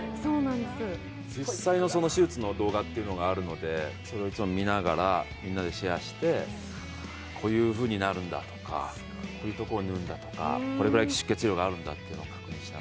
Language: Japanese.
実際の手術の動画というのがあるので、それをいつも見ながらみんなでシェアして、こういうふうになるんだとかこういうところを縫うんだとかこれぐらい出血量があるんだとか。